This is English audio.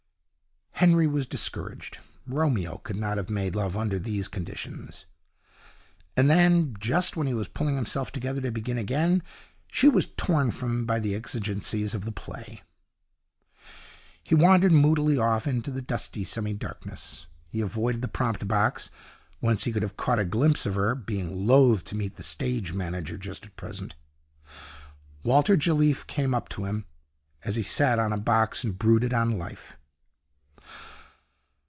Henry was discouraged. Romeo could not have made love under these conditions. And then, just when he was pulling himself together to begin again, she was torn from him by the exigencies of the play. He wandered moodily off into the dusty semi darkness. He avoided the prompt box, whence he could have caught a glimpse of her, being loath to meet the stage manager just at present. Walter Jelliffe came up to him, as he sat on a box and brooded on life.